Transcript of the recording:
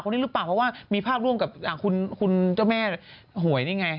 เพราะว่ามีภาพร่วมกับคุณเจ้าแม่หวยนี่ไง